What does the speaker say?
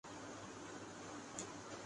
اس جنگ میں جھونک دیا۔